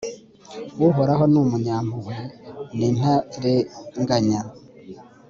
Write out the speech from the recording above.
uhoraho ni umunyampuhwe n'intarenganya